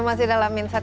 masih dalam insight